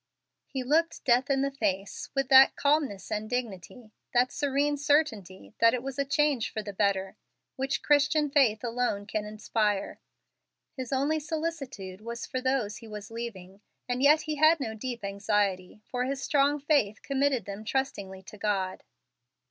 He looked death in the face with that calmness and dignity, that serene certainty that it was a change for the better, which Christian faith alone can inspire. His only solicitude was for those he was leaving, and yet he had no deep anxiety, for his strong faith committed them trustingly to God.